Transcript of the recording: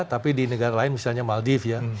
tapi di negara lain misalnya maldive ya